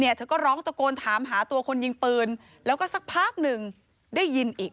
เธอก็ร้องตะโกนถามหาตัวคนยิงปืนแล้วก็สักพักหนึ่งได้ยินอีก